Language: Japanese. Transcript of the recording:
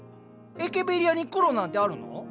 エケベリアに黒なんてあるの？